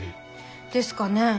ですかね。